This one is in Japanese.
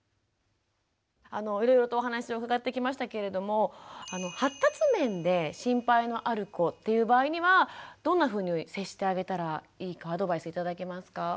いろいろとお話を伺ってきましたけれども発達面で心配のある子っていう場合にはどんなふうに接してあげたらいいかアドバイス頂けますか。